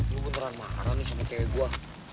lo beneran marah nih sama cewek gue